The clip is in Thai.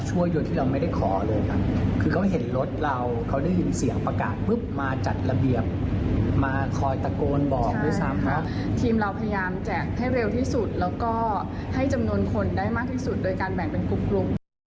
ให้เร็วที่สุดแล้วก็ให้จำนวนคนได้มากที่สุดโดยการแบ่งเป็นกลุ่ม